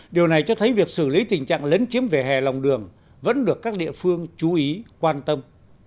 điều này cho thấy việc xử lý tình trạng lấn chiếm vỉa hè lòng đường vẫn được các địa phương chú ý quan tâm